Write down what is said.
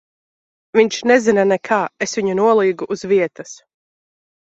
Viņš nezina nekā. Es viņu nolīgu uz vietas.